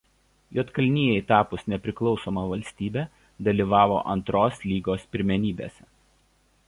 Juodkalnijai tapus nepriklausoma valstybe dalyvavo Antros lygos pirmenybėse.